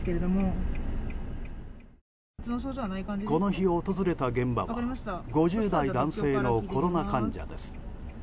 この日、訪れた現場は５０代男性のコロナ患者です。